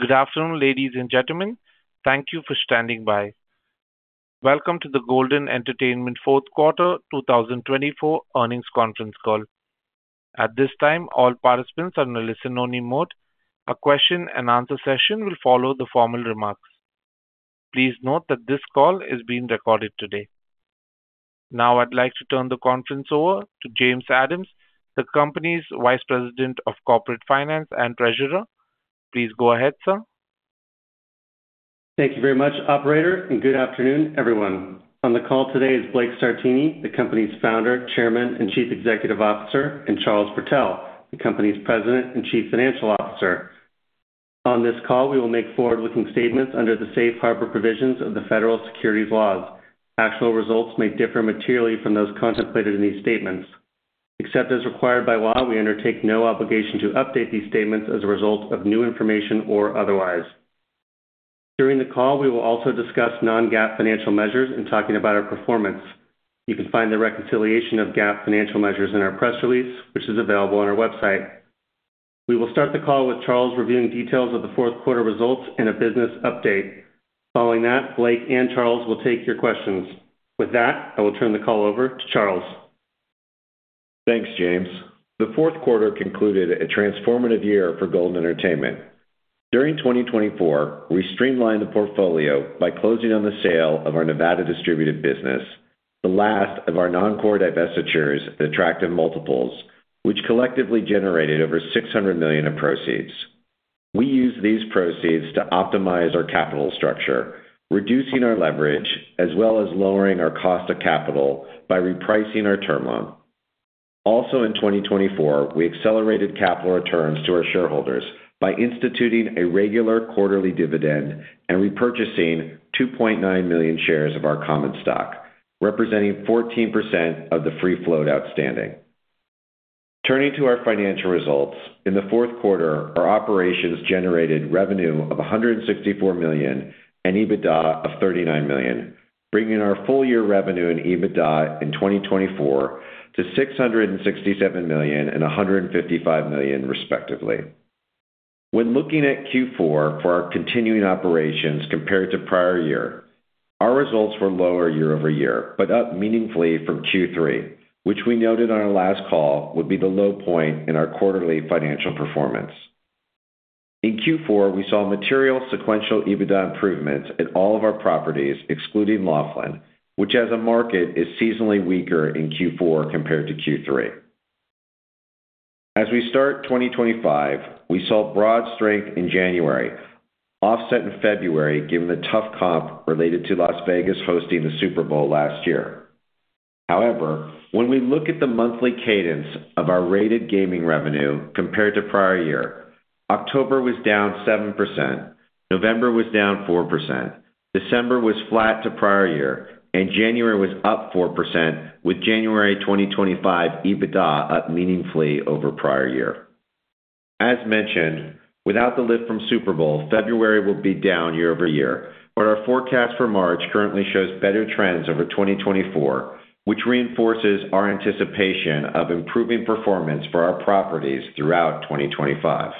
Good afternoon, ladies and gentlemen. Thank you for standing by. Welcome to the Golden Entertainment Fourth Quarter 2024 Earnings Conference Call. At this time, all participants are in a listen-only mode. A question-and-answer session will follow the formal remarks. Please note that this call is being recorded today. Now, I'd like to turn the conference over to James Adams, the Company's Vice President of Corporate Finance and Treasurer. Please go ahead, sir. Thank you very much, Operator, and good afternoon, everyone. On the call today is Blake Sartini, the Company's Founder, Chairman, and Chief Executive Officer, and Charles Protell, the Company's President and Chief Financial Officer. On this call, we will make forward-looking statements under the safe harbor provisions of the federal securities laws. Actual results may differ materially from those contemplated in these statements. Except as required by law, we undertake no obligation to update these statements as a result of new information or otherwise. During the call, we will also discuss non-GAAP financial measures and talk about our performance. You can find the reconciliation of GAAP financial measures in our press release, which is available on our website. We will start the call with Charles reviewing details of the fourth quarter results and a business update. Following that, Blake and Charles will take your questions. With that, I will turn the call over to Charles. Thanks, James. The fourth quarter concluded a transformative year for Golden Entertainment. During 2024, we streamlined the portfolio by closing on the sale of our Nevada distributed business, the last of our non-core divestitures at attractive multiples, which collectively generated over $600 million in proceeds. We used these proceeds to optimize our capital structure, reducing our leverage as well as lowering our cost of capital by repricing our term loan. Also, in 2024, we accelerated capital returns to our shareholders by instituting a regular quarterly dividend and repurchasing 2.9 million shares of our common stock, representing 14% of the free float outstanding. Turning to our financial results, in the fourth quarter, our operations generated revenue of $164 million and EBITDA of $39 million, bringing our full-year revenue and EBITDA in 2024 to $667 million and $155 million, respectively. When looking at Q4 for our continuing operations compared to prior year, our results were lower year over year, but up meaningfully from Q3, which we noted on our last call would be the low point in our quarterly financial performance. In Q4, we saw material sequential EBITDA improvements at all of our properties, excluding Laughlin, which, as a market, is seasonally weaker in Q4 compared to Q3. As we start 2025, we saw broad strength in January, offset in February given the tough comp related to Las Vegas hosting the Super Bowl last year. However, when we look at the monthly cadence of our rated gaming revenue compared to prior year, October was down 7%, November was down 4%, December was flat to prior year, and January was up 4%, with January 2025 EBITDA up meaningfully over prior year. As mentioned, without the lift from Super Bowl, February will be down year over year, but our forecast for March currently shows better trends over 2024, which reinforces our anticipation of improving performance for our properties throughout 2025.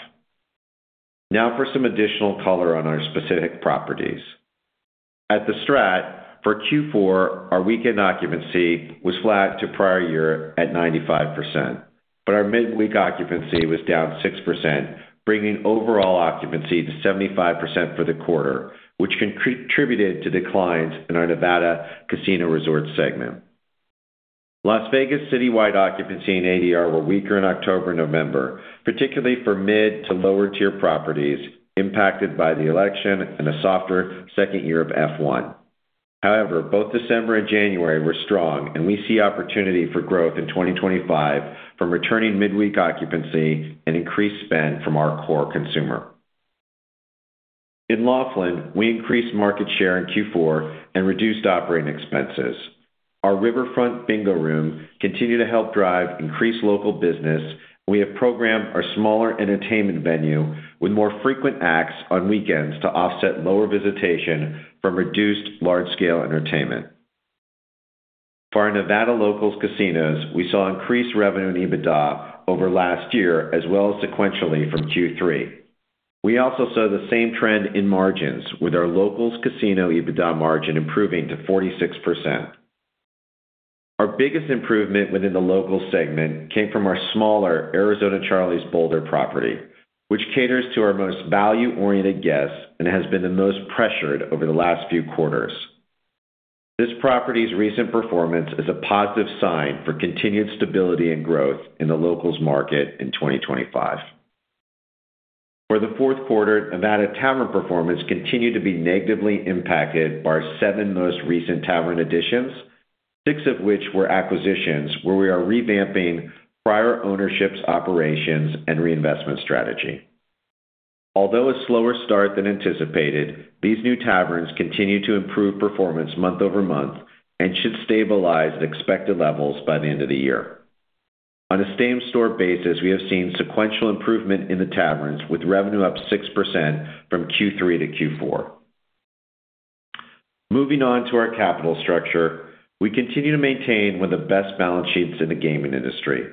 Now for some additional color on our specific properties. At The STRAT, for Q4, our weekend occupancy was flat to prior year at 95%, but our midweek occupancy was down 6%, bringing overall occupancy to 75% for the quarter, which contributed to declines in our Nevada casino resort segment. Las Vegas citywide occupancy and ADR were weaker in October and November, particularly for mid to lower-tier properties impacted by the election and a softer second year of F1. However, both December and January were strong, and we see opportunity for growth in 2025 from returning midweek occupancy and increased spend from our core consumer. In Laughlin, we increased market share in Q4 and reduced operating expenses. Our riverfront bingo room continued to help drive increased local business, and we have programmed our smaller entertainment venue with more frequent acts on weekends to offset lower visitation from reduced large-scale entertainment. For our Nevada locals casinos, we saw increased revenue and EBITDA over last year as well as sequentially from Q3. We also saw the same trend in margins, with our locals casino EBITDA margin improving to 46%. Our biggest improvement within the locals segment came from our smaller Arizona Charlie's Boulder property, which caters to our most value-oriented guests and has been the most pressured over the last few quarters. This property's recent performance is a positive sign for continued stability and growth in the locals market in 2025. For the fourth quarter, Nevada tavern performance continued to be negatively impacted by our seven most recent tavern additions, six of which were acquisitions, where we are revamping prior ownerships, operations, and reinvestment strategy. Although a slower start than anticipated, these new taverns continue to improve performance month over month and should stabilize at expected levels by the end of the year. On a same-store basis, we have seen sequential improvement in the taverns, with revenue up 6% from Q3 to Q4. Moving on to our capital structure, we continue to maintain one of the best balance sheets in the gaming industry,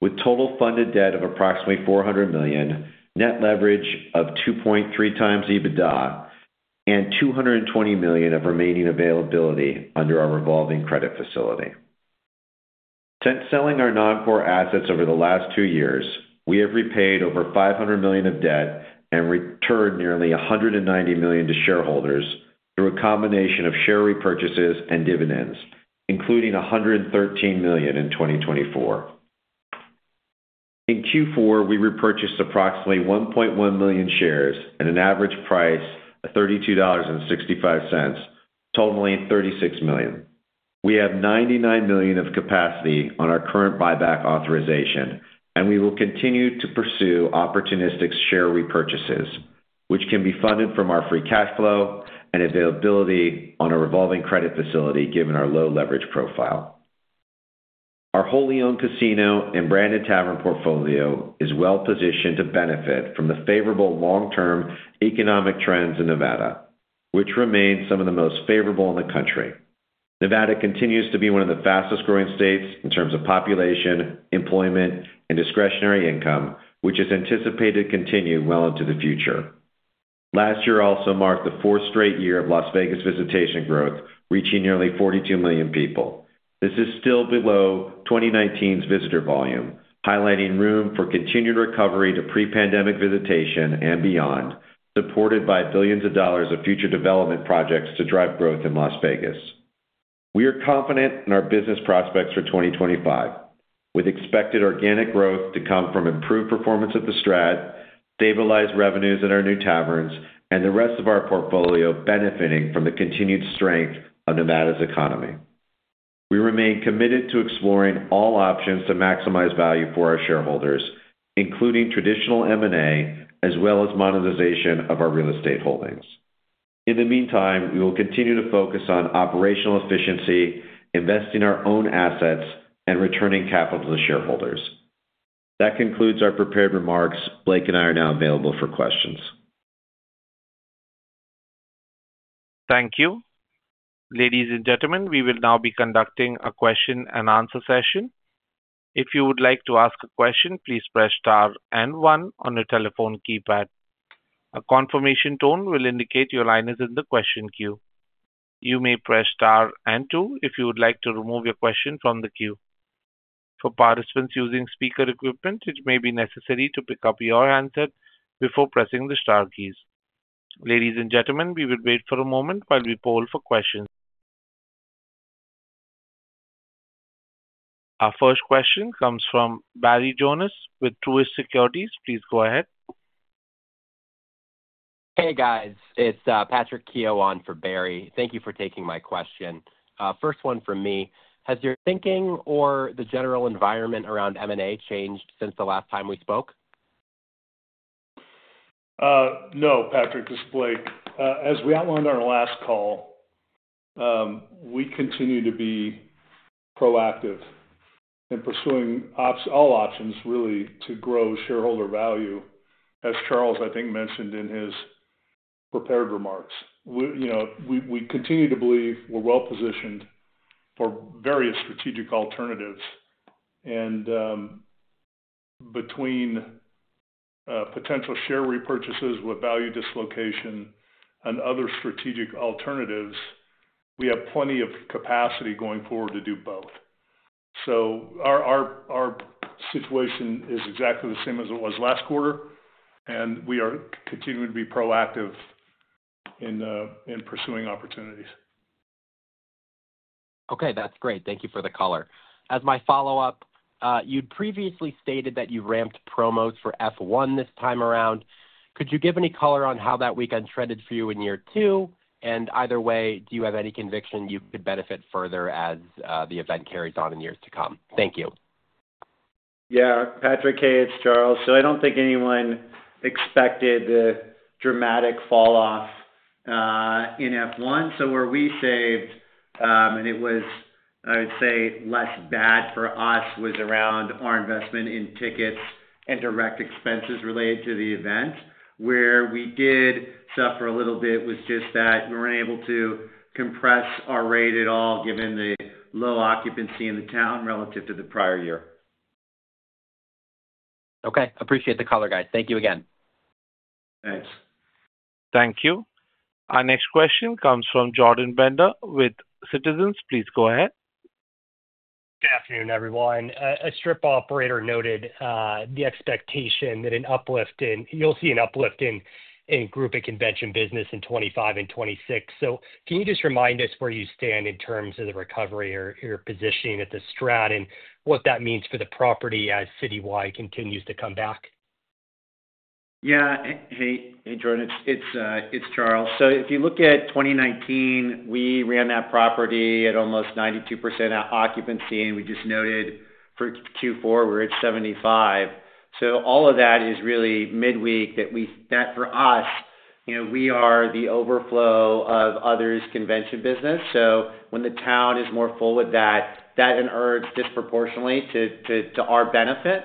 with total funded debt of approximately $400 million, net leverage of 2.3 times EBITDA, and $220 million of remaining availability under our revolving credit facility. Since selling our non-core assets over the last two years, we have repaid over $500 million of debt and returned nearly $190 million to shareholders through a combination of share repurchases and dividends, including $113 million in 2024. In Q4, we repurchased approximately 1.1 million shares at an average price of $32.65, totaling $36 million. We have $99 million of capacity on our current buyback authorization, and we will continue to pursue opportunistic share repurchases, which can be funded from our free cash flow and availability on a revolving credit facility given our low leverage profile. Our wholly-owned casino and branded tavern portfolio is well-positioned to benefit from the favorable long-term economic trends in Nevada, which remain some of the most favorable in the country. Nevada continues to be one of the fastest-growing states in terms of population, employment, and discretionary income, which is anticipated to continue well into the future. Last year also marked the fourth straight year of Las Vegas visitation growth, reaching nearly 42 million people. This is still below 2019's visitor volume, highlighting room for continued recovery to pre-pandemic visitation and beyond, supported by billions of dollars of future development projects to drive growth in Las Vegas. We are confident in our business prospects for 2025, with expected organic growth to come from improved performance at The STRAT, stabilized revenues at our new taverns, and the rest of our portfolio benefiting from the continued strength of Nevada's economy. We remain committed to exploring all options to maximize value for our shareholders, including traditional M&A as well as monetization of our real estate holdings. In the meantime, we will continue to focus on operational efficiency, investing our own assets, and returning capital to shareholders. That concludes our prepared remarks. Blake and I are now available for questions. Thank you. Ladies and gentlemen, we will now be conducting a question-and-answer session. If you would like to ask a question, please press star and one on your telephone keypad. A confirmation tone will indicate your line is in the question queue. You may press star and two if you would like to remove your question from the queue. For participants using speaker equipment, it may be necessary to pick up your answer before pressing the star keys. Ladies and gentlemen, we will wait for a moment while we poll for questions. Our first question comes from Barry Jonas with Truist Securities. Please go ahead. Hey, guys. It's Patrick Keowan for Barry. Thank you for taking my question. First one from me. Has your thinking or the general environment around M&A changed since the last time we spoke? No, Patrick, just Blake. As we outlined on our last call, we continue to be proactive in pursuing all options, really, to grow shareholder value, as Charles, I think, mentioned in his prepared remarks. We continue to believe we're well-positioned for various strategic alternatives. Between potential share repurchases with value dislocation and other strategic alternatives, we have plenty of capacity going forward to do both. Our situation is exactly the same as it was last quarter, and we are continuing to be proactive in pursuing opportunities. Okay, that's great. Thank you for thecolor. As my follow-up, you'd previously stated that you ramped promos for F1 this time around. Could you give any color on how that weekend shredded for you in year two? Either way, do you have any conviction you could benefit further as the event carries on in years to come? Thank you. Yeah, Patrick, hey, it's Charles. I don't think anyone expected the dramatic falloff in F1. Where we saved, and it was, I would say, less bad for us, was around our investment in tickets and direct expenses related to the event. Where we did suffer a little bit was just that we weren't able to compress our rate at all given the low occupancy in the town relative to the prior year. Okay, appreciate the color, guys. Thank you again. Thanks. Thank you. Our next question comes from Jordan Bender with Citizens. Please go ahead. Good afternoon, everyone. A strip operator noted the expectation that an uplift in—you'll see an uplift in group and convention business in 2025 and 2026. Can you just remind us where you stand in terms of the recovery or your positioning at The Strat and what that means for the property as citywide continues to come back? Yeah. Hey, Jordan. It's Charles. If you look at 2019, we ran that property at almost 92% occupancy, and we just noted for Q4 we're at 75%. All of that is really midweek that for us, we are the overflow of others' convention business. When the town is more full with that, that inherits disproportionately to our benefit.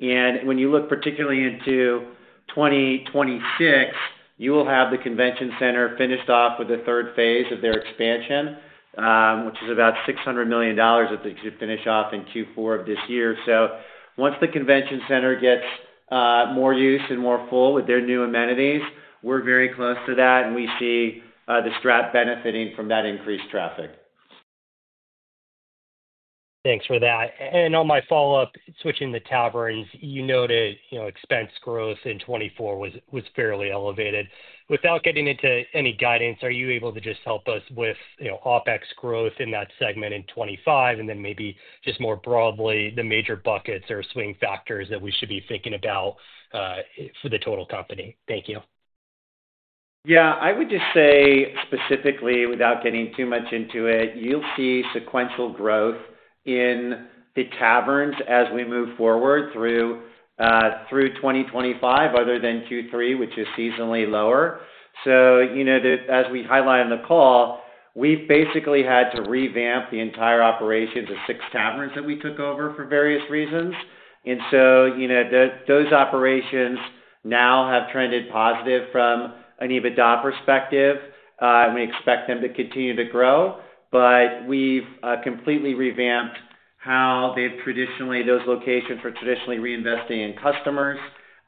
When you look particularly into 2026, you will have the convention center finished off with the third phase of their expansion, which is about $600 million that they should finish off in Q4 of this year. Once the convention center gets more use and more full with their new amenities, we're very close to that, and we see the Strat benefiting from that increased traffic. Thanks for that. On my follow-up, switching to taverns, you noted expense growth in 2024 was fairly elevated. Without getting into any guidance, are you able to just help us with OpEx growth in that segment in 2025, and then maybe just more broadly, the major buckets or swing factors that we should be thinking about for the total company? Thank you. Yeah, I would just say specifically, without getting too much into it, you'll see sequential growth in the taverns as we move forward through 2025, other than Q3, which is seasonally lower. As we highlight on the call, we've basically had to revamp the entire operations of six taverns that we took over for various reasons. Those operations now have trended positive from an EBITDA perspective, and we expect them to continue to grow. We've completely revamped how those locations were traditionally reinvesting in customers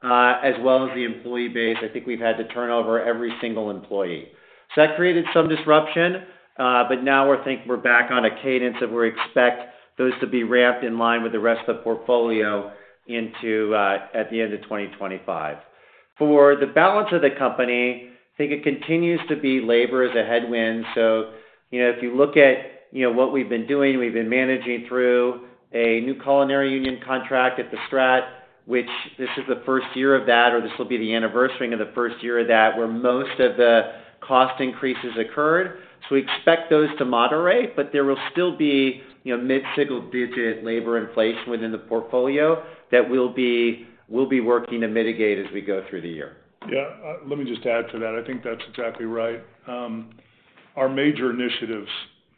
as well as the employee base. I think we've had to turn over every single employee. That created some disruption, but now we're back on a cadence that we expect those to be ramped in line with the rest of the portfolio at the end of 2025. For the balance of the company, I think it continues to be labor is a headwind. If you look at what we've been doing, we've been managing through a new culinary union contract at the Strat, which this is the first year of that, or this will be the anniversary of the first year of that, where most of the cost increases occurred. We expect those to moderate, but there will still be mid-single-digit labor inflation within the portfolio that we'll be working to mitigate as we go through the year. Yeah, let me just add to that. I think that's exactly right. Our major initiatives,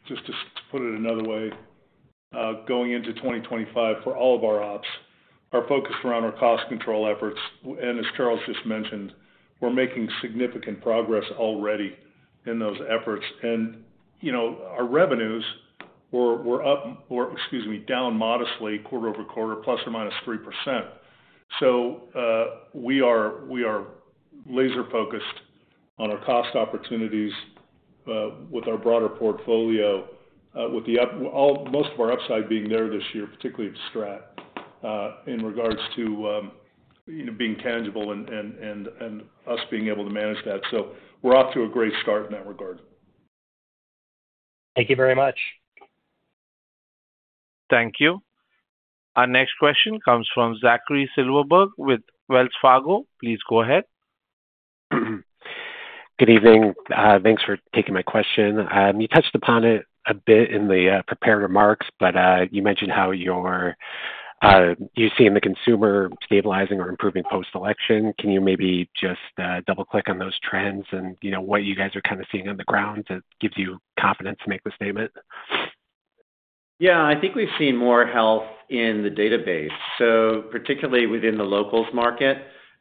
just to put it another way, going into 2025 for all of our ops are focused around our cost control efforts. As Charles just mentioned, we're making significant progress already in those efforts. Our revenues were down modestly quarter over quarter, plus or minus 3%. We are laser-focused on our cost opportunities with our broader portfolio, with most of our upside being there this year, particularly at Strat, in regards to being tangible and us being able to manage that. We're off to a great start in that regard. Thank you very much. Thank you. Our next question comes from Zachary Silverberg with Wells Fargo. Please go ahead. Good evening. Thanks for taking my question. You touched upon it a bit in the prepared remarks, but you mentioned how you're seeing the consumer stabilizing or improving post-election. Can you maybe just double-click on those trends and what you guys are kind of seeing on the ground that gives you confidence to make this statement? Yeah, I think we've seen more health in the database, particularly within the locals market.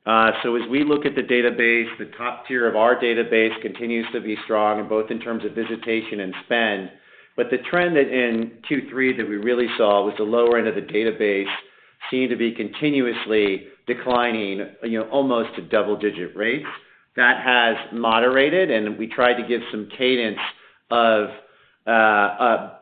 As we look at the database, the top tier of our database continues to be strong, both in terms of visitation and spend. The trend in Q3 that we really saw was the lower end of the database seemed to be continuously declining almost to double-digit rates. That has moderated, and we tried to give some cadence of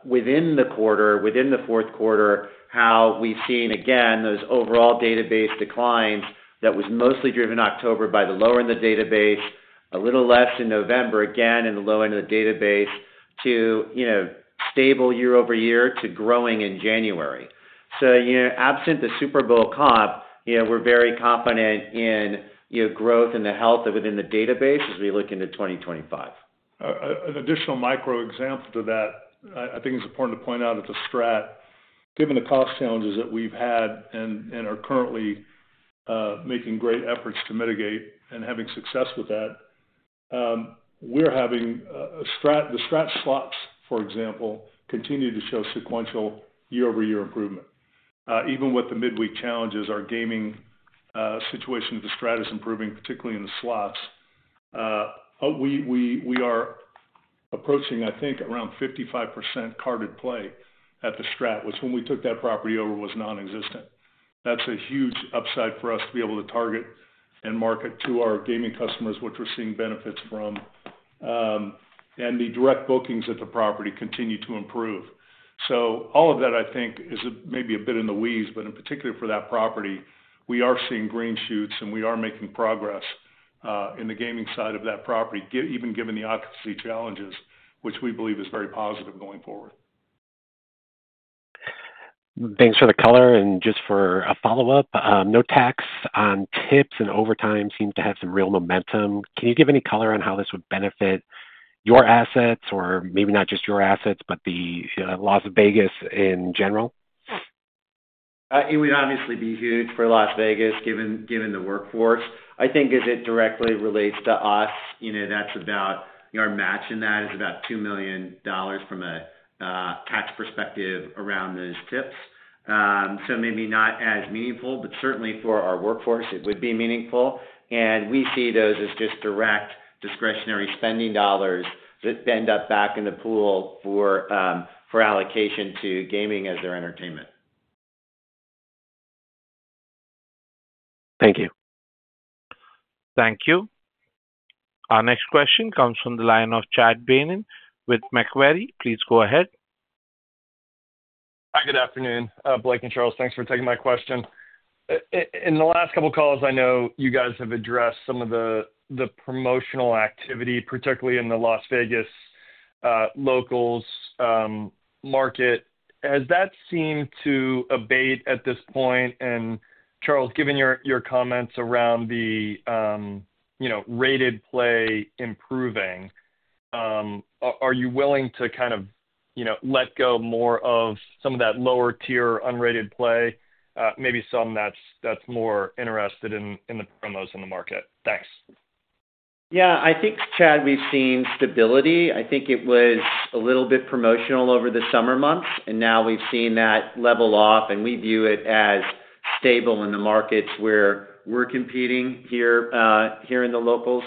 within the quarter, within the fourth quarter, how we've seen, again, those overall database declines that was mostly driven in October by the lower end of the database, a little less in November, again, in the low end of the database, to stable year over year to growing in January. Absent the Super Bowl comp, we're very confident in growth and the health within the database as we look into 2025. An additional micro example to that, I think it's important to point out at The Strat, given the cost challenges that we've had and are currently making great efforts to mitigate and having success with that, we're having The Strat slots, for example, continue to show sequential year-over-year improvement. Even with the midweek challenges, our gaming situation at The Strat is improving, particularly in the slots. We are approaching, I think, around 55% carded play at The Stratwhich when we took that property over was nonexistent. That's a huge upside for us to be able to target and market to our gaming customers, which we're seeing benefits from. The direct bookings at the property continue to improve. All of that, I think, is maybe a bit in the weeds, but in particular for that property, we are seeing green shoots, and we are making progress in the gaming side of that property, even given the occupancy challenges, which we believe is very positive going forward. Thanks for the color. Just for a follow-up, no tax on tips and overtime seems to have some real momentum. Can you give any color on how this would benefit your assets, or maybe not just your assets, but Las Vegas in general? It would obviously be huge for Las Vegas given the workforce. I think as it directly relates to us, that's about our match in that is about $2 million from a tax perspective around those tips. Maybe not as meaningful, but certainly for our workforce, it would be meaningful. We see those as just direct discretionary spending dollars that end up back in the pool for allocation to gaming as their entertainment. Thank you. Thank you. Our next question comes from the line of Chad Beynon with Macquarie. Please go ahead. Hi, good afternoon. Blake and Charles, thanks for taking my question. In the last couple of calls, I know you guys have addressed some of the promotional activity, particularly in the Las Vegas locals market. Has that seemed to abate at this point? Charles, given your comments around the rated play improving, are you willing to kind of let go more of some of that lower-tier unrated play, maybe some that's more interested in the promos in the market? Thanks. Yeah, I think, Chad, we've seen stability. I think it was a little bit promotional over the summer months, and now we've seen that level off, and we view it as stable in the markets where we're competing here in the locals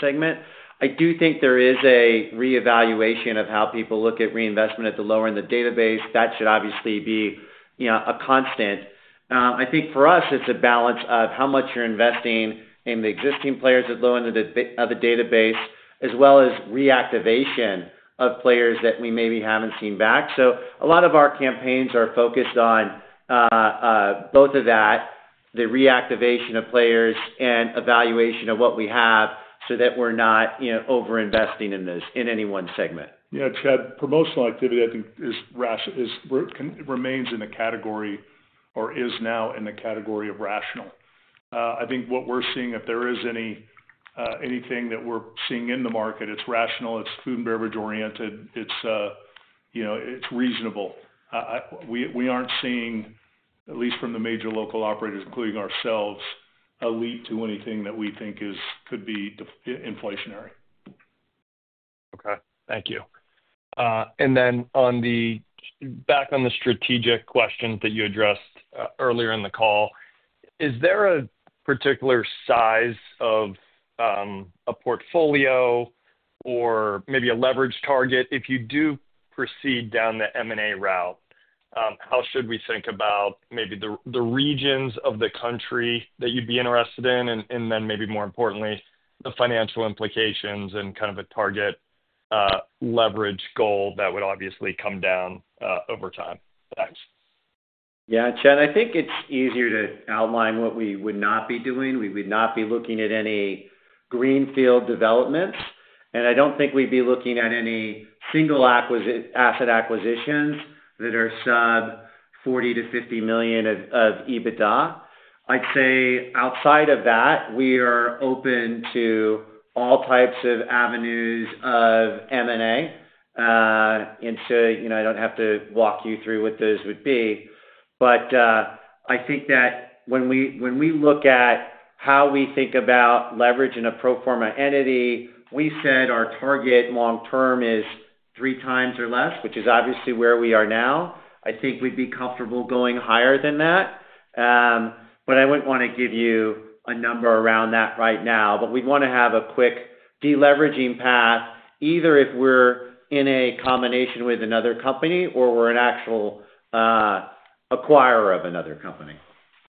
segment. I do think there is a reevaluation of how people look at reinvestment at the lower end of the database. That should obviously be a constant. I think for us, it's a balance of how much you're investing in the existing players at the lower end of the database, as well as reactivation of players that we maybe haven't seen back. A lot of our campaigns are focused on both of that, the reactivation of players and evaluation of what we have so that we're not over-investing in any one segment. Yeah, Chad, promotional activity, I think, remains in the category or is now in the category of rational. I think what we're seeing, if there is anything that we're seeing in the market, it's rational, it's food and beverage oriented, it's reasonable. We aren't seeing, at least from the major local operators, including ourselves, a leak to anything that we think could be inflationary. Okay, thank you. Back on the strategic questions that you addressed earlier in the call, is there a particular size of a portfolio or maybe a leverage target? If you do proceed down the M&A route, how should we think about maybe the regions of the country that you'd be interested in? More importantly, the financial implications and kind of a target leverage goal that would obviously come down over time. Thanks. Yeah, Chad, I think it's easier to outline what we would not be doing. We would not be looking at any greenfield developments. I don't think we'd be looking at any single asset acquisitions that are sub $40 million to $50 million of EBITDA. I'd say outside of that, we are open to all types of avenues of M&A. I don't have to walk you through what those would be. I think that when we look at how we think about leverage in a pro forma entity, we said our target long-term is three times or less, which is obviously where we are now. I think we'd be comfortable going higher than that. I wouldn't want to give you a number around that right now. We'd want to have a quick deleveraging path, either if we're in a combination with another company or we're an actual acquirer of another company.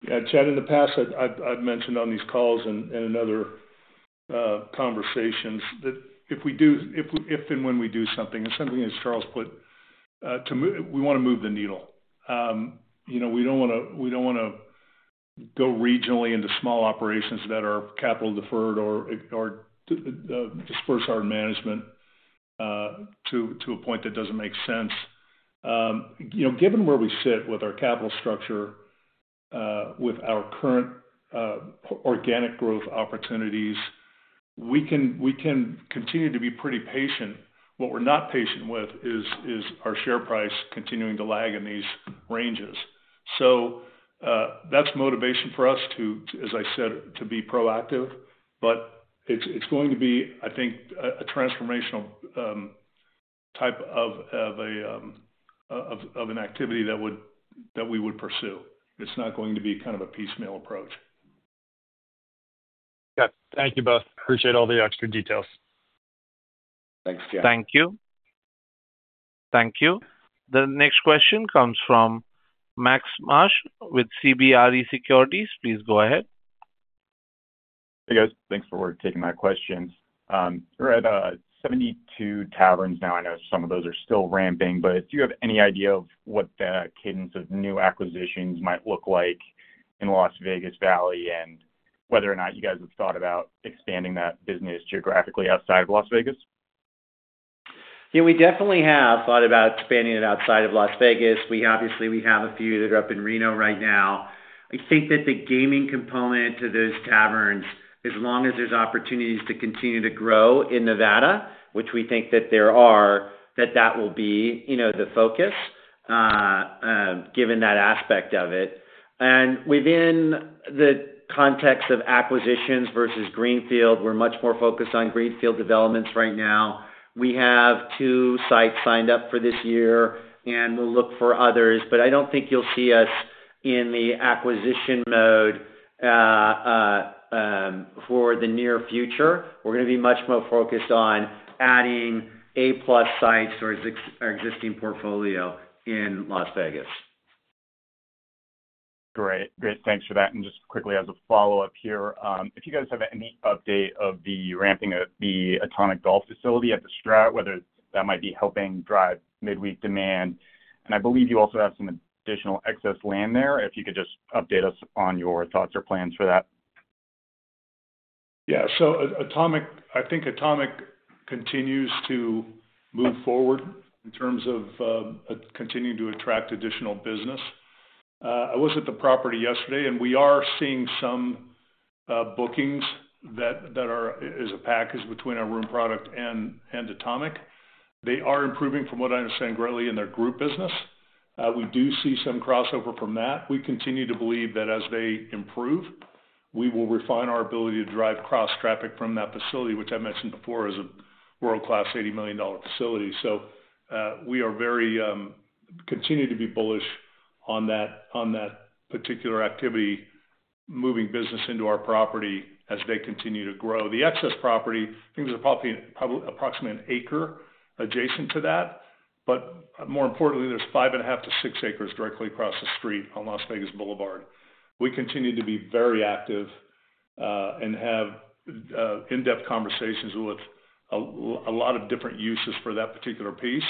Yeah, Chad, in the past, I've mentioned on these calls and in other conversations that if we do, if and when we do something, and something as Charles put, we want to move the needle. We don't want to go regionally into small operations that are capital-deferred or disperse our management to a point that doesn't make sense. Given where we sit with our capital structure, with our current organic growth opportunities, we can continue to be pretty patient. What we're not patient with is our share price continuing to lag in these ranges. That's motivation for us to, as I said, to be proactive. It's going to be, I think, a transformational type of an activity that we would pursue. It's not going to be kind of a piecemeal approach. Okay, thank you both. Appreciate all the extra details. Thanks, Chad. Thank you. Thank you. The next question comes from Max Marsh with CBRE Securities. Please go ahead. Hey, guys. Thanks for taking my questions. We're at 72 taverns now. I know some of those are still ramping, but do you have any idea of what the cadence of new acquisitions might look like in Las Vegas Valley and whether or not you guys have thought about expanding that business geographically outside of Las Vegas? Yeah, we definitely have thought about expanding it outside of Las Vegas. Obviously, we have a few that are up in Reno right now. I think that the gaming component to those taverns, as long as there's opportunities to continue to grow in Nevada, which we think that there are, that will be the focus given that aspect of it. Within the context of acquisitions versus greenfield, we're much more focused on greenfield developments right now. We have two sites signed up for this year, and we'll look for others. I don't think you'll see us in the acquisition mode for the near future. We're going to be much more focused on adding A-plus sites towards our existing portfolio in Las Vegas. Great. Great. Thanks for that. Just quickly, as a follow-up here, if you guys have any update of the ramping of the Atomic Golf facility at The Strat, whether that might be helping drive midweek demand. I believe you also have some additional excess land there. If you could just update us on your thoughts or plans for that. Yeah, so I think Atomic continues to move forward in terms of continuing to attract additional business. I was at the property yesterday, and we are seeing some bookings that are as a package between our room product and Atomic. They are improving, from what I understand, greatly in their group business. We do see some crossover from that. We continue to believe that as they improve, we will refine our ability to drive cross-traffic from that facility, which I mentioned before is a world-class $80 million facility. We continue to be bullish on that particular activity, moving business into our property as they continue to grow. The excess property, I think there's probably approximately an acre adjacent to that. More importantly, there's five and a half to six acres directly across the street on Las Vegas Boulevard. We continue to be very active and have in-depth conversations with a lot of different uses for that particular piece.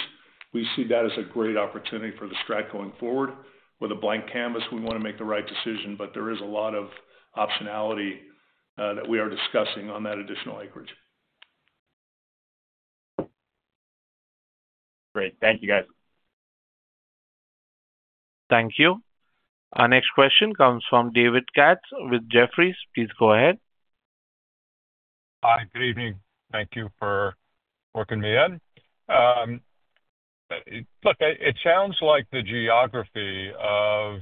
We see that as a great opportunity for The Strat going forward. With a blank canvas, we want to make the right decision, but there is a lot of optionality that we are discussing on that additional acreage. Great. Thank you, guys. Thank you. Our next question comes from David Katz with Jefferies. Please go ahead. Hi, good evening. Thank you for working me in. Look, it sounds like the geography of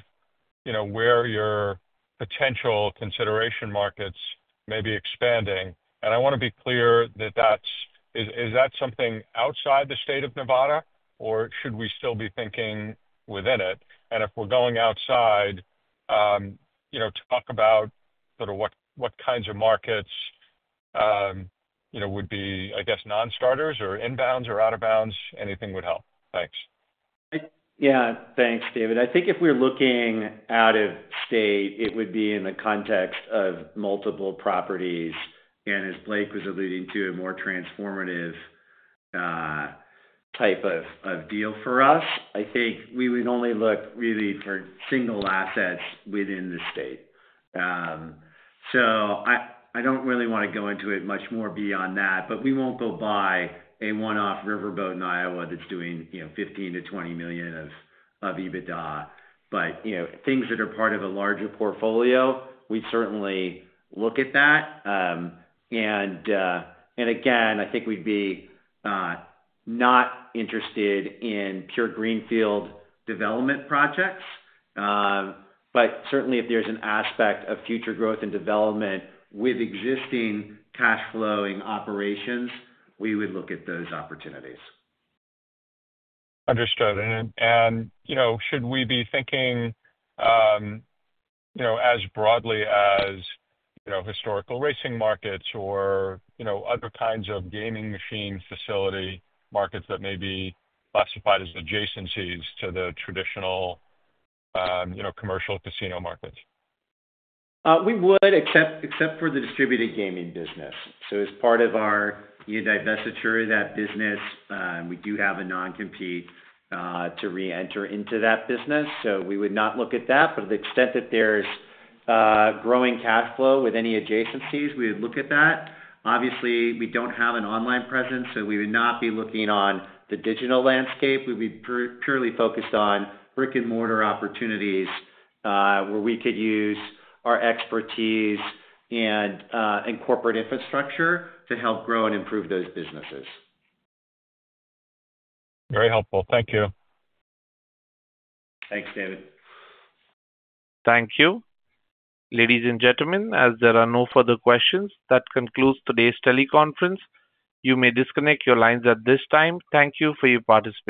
where your potential consideration markets may be expanding. I want to be clear that that's—is that something outside the state of Nevada, or should we still be thinking within it? If we're going outside, talk about sort of what kinds of markets would be, I guess, non-starters or inbounds or out-of-bounds. Anything would help. Thanks. Yeah, thanks, David. I think if we're looking out of state, it would be in the context of multiple properties. As Blake was alluding to, a more transformative type of deal for us. I think we would only look really for single assets within the state. I don't really want to go into it much more beyond that. We won't go buy a one-off riverboat in Iowa that's doing $15 million-$20 million of EBITDA. Things that are part of a larger portfolio, we certainly look at that. I think we'd be not interested in pure greenfield development projects. Certainly, if there's an aspect of future growth and development with existing cash-flowing operations, we would look at those opportunities. Understood. Should we be thinking as broadly as historical racing markets or other kinds of gaming machine facility markets that may be classified as adjacencies to the traditional commercial casino markets? We would, except for the distributed gaming business. As part of our divestiture, that business, we do have a non-compete to re-enter into that business. We would not look at that. To the extent that there's growing cash flow with any adjacencies, we would look at that. Obviously, we don't have an online presence, so we would not be looking on the digital landscape. We'd be purely focused on brick-and-mortar opportunities where we could use our expertise and corporate infrastructure to help grow and improve those businesses. Very helpful. Thank you. Thanks, David. Thank you. Ladies and gentlemen, as there are no further questions, that concludes today's teleconference. You may disconnect your lines at this time. Thank you for your participation.